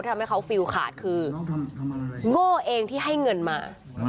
ทำให้เขาฟิลขาดคือโง่เองที่ให้เงินมา